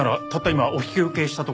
今お引き受けしたところで。